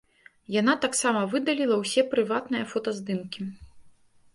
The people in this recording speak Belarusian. Яна таксама выдаліла ўсе прыватныя фотаздымкі.